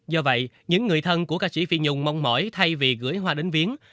do vậy những người thân của ca sĩ phi nhung mong mỏi thay vì gửi hoa đến viến